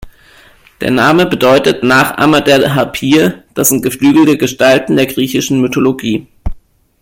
Der Name bedeutet „Nachahmer der Harpyie“, das sind geflügelte Gestalten der griechischen Mythologie.